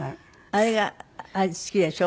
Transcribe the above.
あれが好きでしょ？